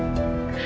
ini udah berapa